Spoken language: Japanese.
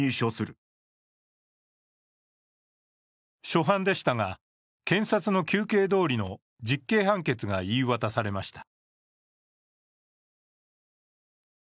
初犯でしたが、検察の求刑どおりの実刑判決が言い渡されました。